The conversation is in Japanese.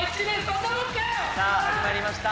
さあ始まりました。